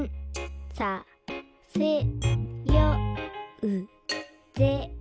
「させようぜ」